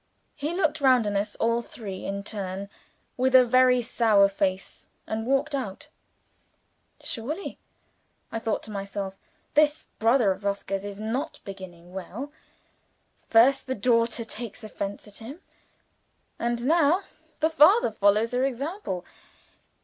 He looked round on us all three, in turn, with a very sour face, and walked out. "Surely," I thought to myself, "this brother of Oscar's is not beginning well! First, the daughter takes offense at him, and now the father follows her example.